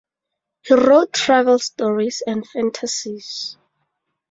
He wrote travel stories and fantasies.